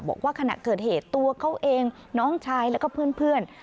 บอกว่าขณะเกิดเหตุตัวเขาเองน้องชายแล้วก็เพื่อน